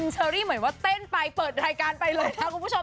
เชอรี่เหมือนว่าเต้นไปเปิดรายการไปเลยค่ะคุณผู้ชม